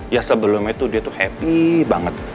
ya sebelum itu dia tuh happy banget